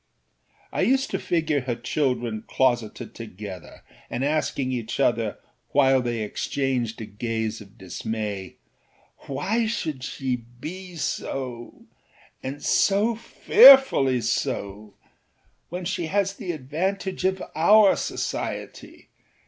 I used to figure her children closeted together and asking each other while they exchanged a gaze of dismay: âWhy should she be soâand so fearfully soâwhen she has the advantage of our society?